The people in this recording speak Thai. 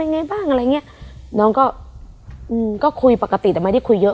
ยังไงบ้างอะไรอย่างเงี้ยน้องก็อืมก็คุยปกติแต่ไม่ได้คุยเยอะ